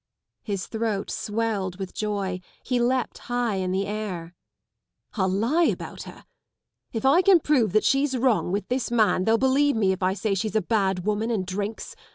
" His throat swelled with joy, he leapt high in the air. "I'll lie about her, If I can prove that she's wrong with this man they'll believe me if I say she's a bad woman and drinks.